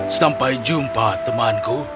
sampai jumpa temanku